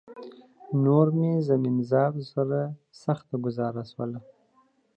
نور مې زمین ذاتو سره سخته ګوزاره شوله